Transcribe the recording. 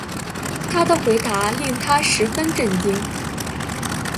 他的回答令她十分震惊